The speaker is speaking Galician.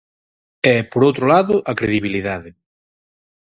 E, por outro lado, a credibilidade.